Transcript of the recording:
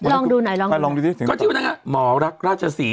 ลองดูหน่อยลองดูลองดูสิเพราะที่วันนั้นฮะหมอรักราชสี